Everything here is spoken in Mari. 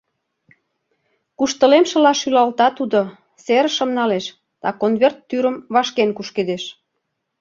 — куштылемшыла шӱлалта тудо, серышым налеш да конверт тӱрым вашкен кушкедеш.